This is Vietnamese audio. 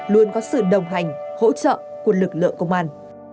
luôn có sự đồng hành hỗ trợ của lực lượng công an